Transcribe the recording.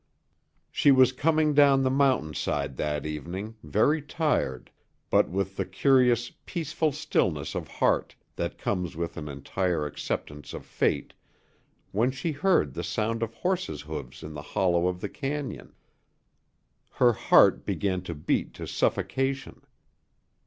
She was coming down the mountain side that evening, very tired, but with the curious, peaceful stillness of heart that comes with an entire acceptance of fate, when she heard the sound of horses' hoofs in the hollow of the cañon. Her heart began to beat to suffocation.